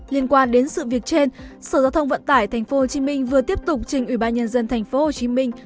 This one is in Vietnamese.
liên quan đến sự việc trên sở giao thông vận tải thành phố hồ chí minh vừa tiếp tục trình ủy ban nhân dân thành phố hồ chí minh